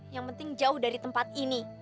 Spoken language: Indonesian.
yang penting jauh dari tempat ini